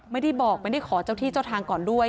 ไม่ได้บอกไม่ได้ขอเจ้าที่เจ้าทางก่อนด้วย